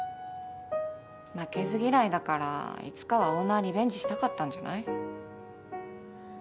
負けず嫌いだからいつかはオーナーリベンジしたかったんじゃない？